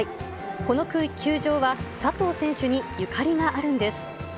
この球場は、佐藤選手にゆかりがあるんです。